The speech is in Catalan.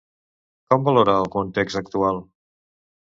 Com valora el context actual?